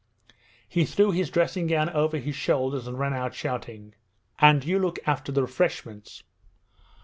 He threw his dressing gown over his shoulders and ran out, shouting, 'And you look after the "refreshments".'